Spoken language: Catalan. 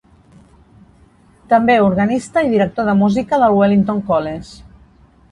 També organista i director de música del Wellington College.